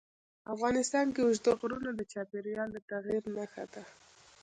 افغانستان کې اوږده غرونه د چاپېریال د تغیر نښه ده.